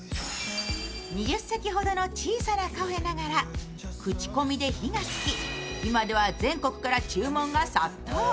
２０席ほどの小さなカフェながらクチコミで火がつき、今では全国から注文が殺到。